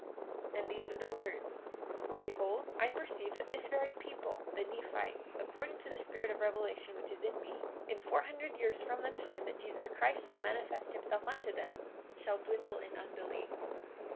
45:10 And these are the words: Behold, I perceive that this very people, the Nephites, according to the spirit of revelation which is in me, in four hundred years from the time that Jesus Christ shall manifest himself unto them, shall dwindle in unbelief.